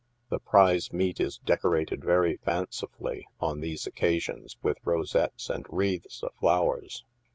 The prize meat is decorated very fanci fully, on these occasions, with rosettes and wreaths of flowers.